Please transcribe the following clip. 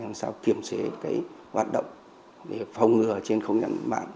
làm sao kiểm chế hoạt động để phòng ngừa trên không gian mạng